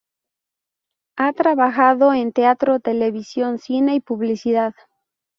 Ha trabajado en teatro, televisión, cine y publicidad.